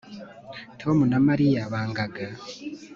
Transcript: Tom na Mariya bangaga